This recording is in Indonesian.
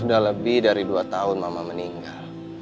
sudah lebih dari dua tahun mama meninggal